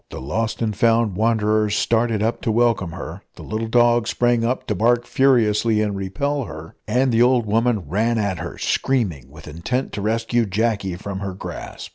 The lost and found wanderers started up to welcome her, the little dog sprang up to bark furiously and repel her, and the old woman ran at her, screaming, with intent to rescue Jacky from her grasp.